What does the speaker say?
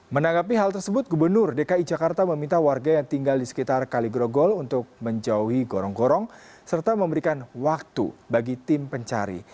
menanggapi hal tersebut gubernur dki jakarta meminta warga yang tinggal di sekitar kaligrogol untuk menjauhi gorong gorong serta memberikan waktu bagi tim pencari